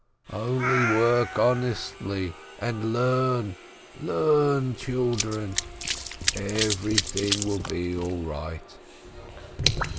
Only work honestly, and learn! Learn, children! Every thing will be all right